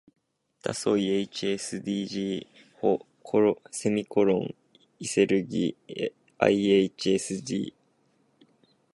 だそい ｈｓｄｇ ほ；いせるぎ ｌｈｓｇ